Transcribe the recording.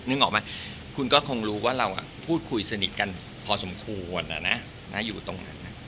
ออกไหมคุณก็คงรู้ว่าเราพูดคุยสนิทกันพอสมควรอยู่ตรงนั้น